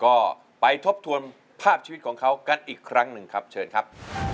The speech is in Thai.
ก็ไปทบทวนภาพชีวิตของเขากันอีกครั้งหนึ่งครับเชิญครับ